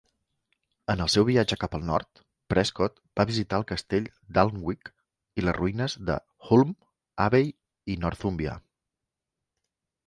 En el seu viatge cap al nord, Prescott va visitar el castell d'Alnwick i les ruïnes de Hulm Abbey a Northumbria.